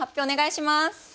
お願いします。